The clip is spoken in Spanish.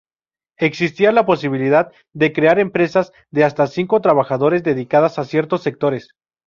Existía la posibilidad de crear empresas de hasta cinco trabajadores, dedicadas a ciertos sectores.